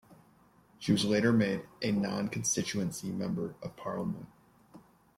She was later made a Non-Constituency Member of Parliament.